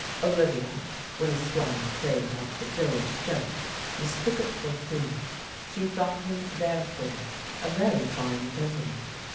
Olivia, when the squire played off a dullish joke, "mistook it for humour. She thought him, therefore, a very fine gentleman."